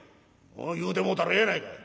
「言うてもうたらええやないかい。